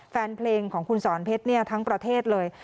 แฟนเพลงของคุณสอนเพชรทั้งประเทศเลย